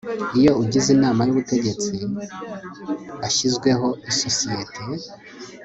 iyo ugize inama y ubutegetsi ashyizweho isosiyete